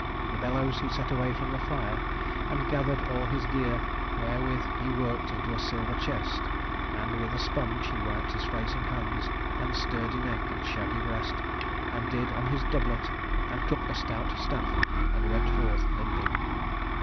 The bellows he set away from the fire, and gathered all his gear wherewith he worked into a silver chest; and with a sponge he wiped his face and hands and sturdy neck and shaggy breast, and did on his doublet and took a stout staff and went forth limping.